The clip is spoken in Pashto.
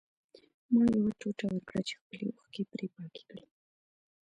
ما یو ټوټه ورکړه چې خپلې اوښکې پرې پاکې کړي